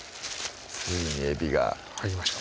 ついにえびが入りました